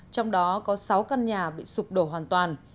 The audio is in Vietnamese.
trong đó có sáu căn nhà bị sụp đổ hoàn toàn